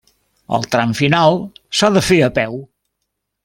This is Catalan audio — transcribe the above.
El tram final s'ha de fer a peu.